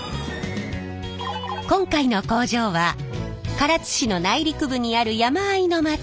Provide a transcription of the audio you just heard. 今回の工場は唐津市の内陸部にある山あいの町厳木町にあります。